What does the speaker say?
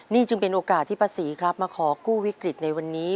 นี่จึงเป็นโอกาสที่ป้าศรีครับมาขอกู้วิกฤตในวันนี้